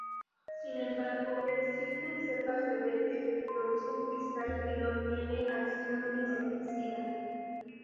Sin embargo, existen cepas de Bt que producen cristal que no tiene acción insecticida.